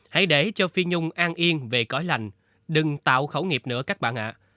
hãy để cho phi nhung an yên về cõi lành đừng tạo khẩu nghiệp nữa các bạn ạ